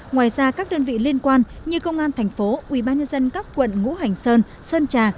ngoài ra các đơn vị liên quan như công an thành phố ubnd các quận ngũ hành sơn sơn trà